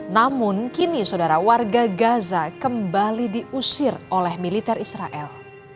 namun kini saudara warga gaza kembali diusir oleh militer israel